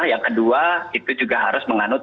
yang kedua itu juga harus menganut